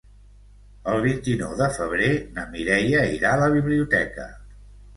El vint-i-nou de febrer na Mireia irà a la biblioteca.